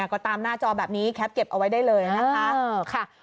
ก็ตามหน้าจอแบบนี้แคปเก็บเอาไว้ได้เลยนะคะ